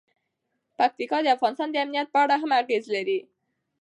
پکتیکا د افغانستان د امنیت په اړه هم اغېز لري.